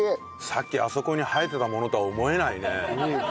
さっきあそこに生えてたものとは思えないね。